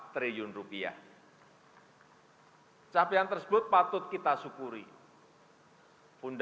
ket guardians lays e money berharga rp satu ratus enam puluh tiga enam ratus enam puluh delapan triliun